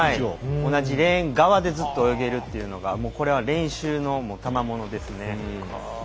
同じレーン側でずっと泳げるというのがこれは練習のたまものですね。